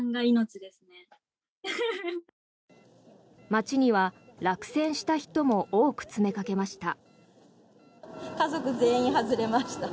街には落選した人も多く詰めかけました。